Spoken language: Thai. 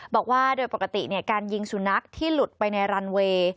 บอกว่าโดยปกติการยิงสุนัขที่หลุดไปในรันเวย์